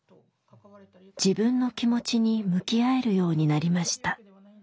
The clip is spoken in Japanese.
自分の気持ちに向き合えるようになりました。